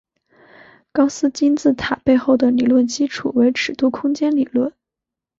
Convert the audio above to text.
高斯金字塔背后的理论基础为尺度空间理论。